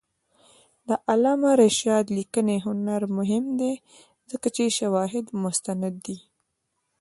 د علامه رشاد لیکنی هنر مهم دی ځکه چې شواهد مستند دي.